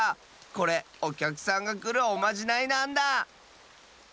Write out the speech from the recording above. これおきゃくさんがくるおまじないなんだ！